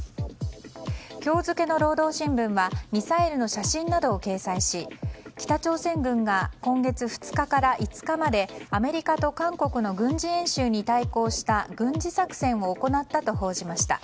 今日付の労働新聞はミサイルの写真などを掲載し北朝鮮軍が今月２日から５日までアメリカと韓国の軍事演習に対抗した軍事作戦を行ったと報じました。